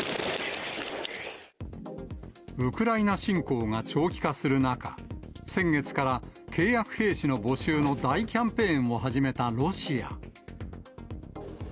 ウクライナ侵攻が長期化する中、先月から契約兵士の募集の大キャンペーンを始めたロシア。